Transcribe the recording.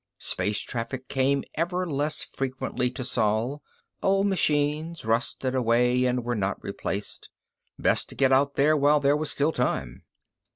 Space traffic came ever less frequently to Sol; old machines rusted away and were not replaced; best to get out while there was still time.